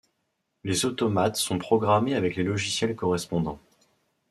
Les automates sont programmés avec les logiciels correspondants.